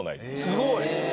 すごい！